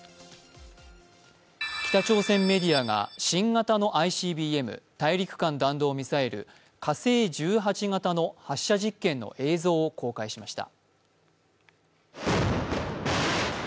北朝鮮メディアが新型のＩＣＢＭ＝大陸間弾道ミサイル火星１８型の発射実験の映像を公開しました。